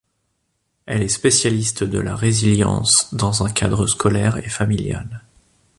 Elle est spécialiste de la résilience dans un cadre scolaire et familial.